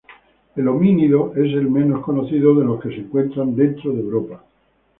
El homínido es el menos conocido de los que se encuentran dentro de Europa.